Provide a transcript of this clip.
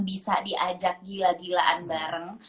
bisa diajak gila gilaan bareng